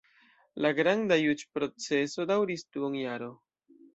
La granda juĝ-proceso daŭris duonjaron.